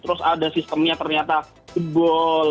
terus ada sistemnya ternyata jebol